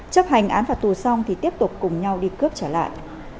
chấp hành án phạt tù xong thì tiếp tục cùng nhau đi cướp trở lại